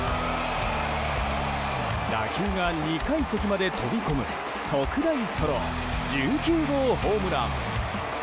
打球が２階席まで飛び込む特大ソロ１９号ホームラン。